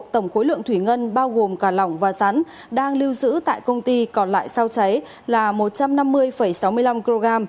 tổng khối lượng thủy ngân bao gồm cả lỏng và rắn đang lưu giữ tại công ty còn lại sau cháy là một trăm năm mươi sáu mươi năm kg